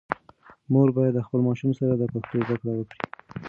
مور باید د خپل ماشوم سره د پښتو زده کړه وکړي.